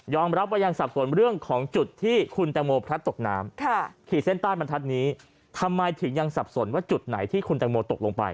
รับว่ายังสับสนเรื่องของจุดที่คุณแตงโมพลัดตกน้ำขีดเส้นใต้บรรทัศน์นี้ทำไมถึงยังสับสนว่าจุดไหนที่คุณแตงโมตกลงไป